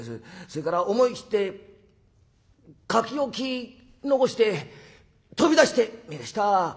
それから思い切って書き置き残して飛び出してみやした。